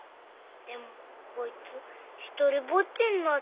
でもこいつ独りぼっちになっちゃう。